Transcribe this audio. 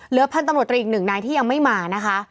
เหลือพันตำรวจอีกหนึ่งนายที่ยังไม่มานะคะ